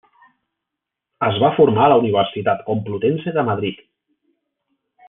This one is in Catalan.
Es va formar a la Universitat Complutense de Madrid.